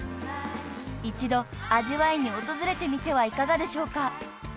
［一度味わいに訪れてみてはいかがでしょうか？］